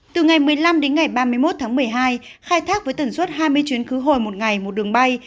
từ ngày một mươi năm đến ngày ba mươi một tháng một mươi hai khai thác với tần suất hai mươi chuyến khứ hồi một ngày một đường bay